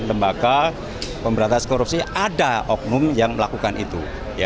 lembaga pemberantasan korupsi ada oknum yang melakukan itu